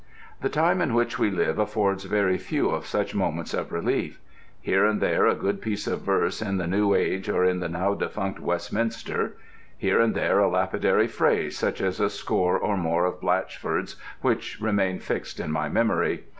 The time in which we live affords very few of such moments of relief: here and there a good piece of verse, in The New Age or in the now defunct Westminster: here and there a lapidary phrase such as a score or more of Blatchford's which remain fixed in my memory.